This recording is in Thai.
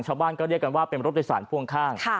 ชาวบ้านก็เรียกกันว่าเป็นรถโดยสารพ่วงข้าง